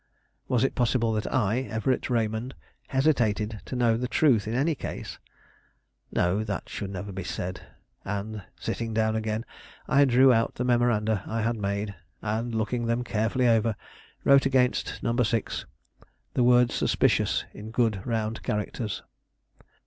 Was it possible that I, Everett Raymond, hesitated to know the truth in any case? No, that should never be said; and, sitting down again, I drew out the memoranda I had made and, looking them carefully over, wrote against No. 6 the word suspicious in good round characters.